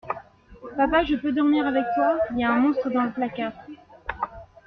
Papa je peux dormir avec toi? Y a un monstre dans le placard.